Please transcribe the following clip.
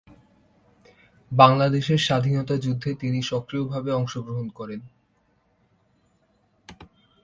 বাংলাদেশের স্বাধীনতা যুদ্ধে তিনি সক্রিয় ভাবে অংশগ্রহণ করেন।